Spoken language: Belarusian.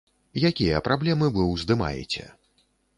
Якія праблемы вы ўздымаеце?